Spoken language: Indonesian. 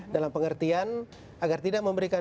dalam pengertian agar tidak memberikan